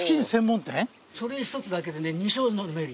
それ一つだけでね２升飲めるよ。